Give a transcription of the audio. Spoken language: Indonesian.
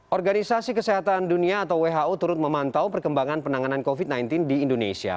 organisasi kesehatan dunia atau who turut memantau perkembangan penanganan covid sembilan belas di indonesia